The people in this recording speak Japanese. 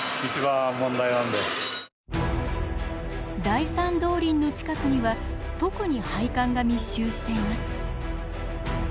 第３動輪の近くには特に配管が密集しています。